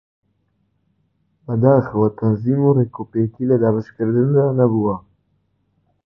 بەداخەوە تەنزیم و ڕێکوپێکی لە دابەشکردندا نەبوو